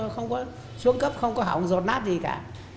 không có xuống cấp không có hỏng rột nát gì cả